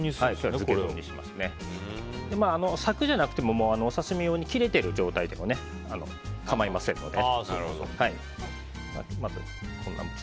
サクじゃなくてもお刺し身用に切れている状態でも構いませんので。